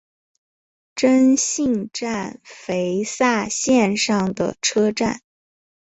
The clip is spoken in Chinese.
真幸站肥萨线上的车站。